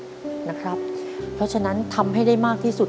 แบบช่วยดูเสลจคือทำทุกอย่างที่ให้น้องอยู่กับแม่ได้นานที่สุด